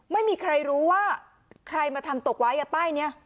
ไม่มีใครรู้ว่าใครมาทำตกไว้ป้ายนี้